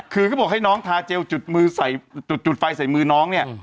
คือเขาบอกให้น้องทาเจลจุดมือใส่จุดไฟใส่มือน้องเนี่ย